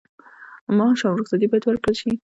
معاش او رخصتي باید ورکړل شي.